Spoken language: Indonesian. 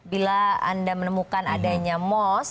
bila anda menemukan adanya mos